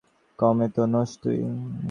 কম তো নোস তুই!